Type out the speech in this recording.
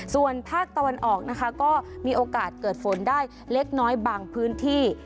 ส่วนภาคตะวันออกนะคะก็มีโอกาสเกิดฝนได้เล็กน้อยบางพื้นที่